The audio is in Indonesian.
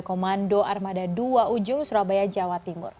komando armada dua ujung surabaya jawa timur